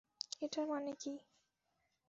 এটার মানে কী?